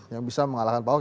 yang bisa mengalahkan pak ahok